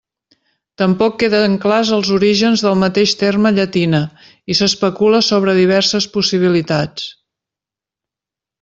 Tampoc queden clars els orígens del mateix terme llatina i s'especula sobre diverses possibilitats.